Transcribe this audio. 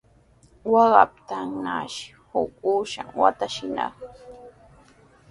Waqaykaptinnashi huk uushan watraskinaq.